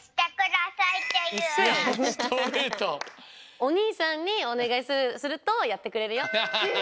おにいさんにおねがいするとやってくれるよ。